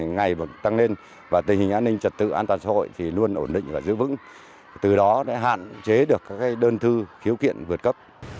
giữ vững từ đó hạn chế được các đơn thư khiếu kiện vượt cấp